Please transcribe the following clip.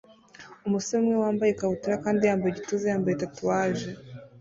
Umusore umwe wambaye ikabutura kandi yambaye igituza yambaye tatuwaje